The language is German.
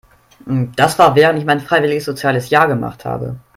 Das war während ich mein freiwilliges soziales Jahr gemacht habe.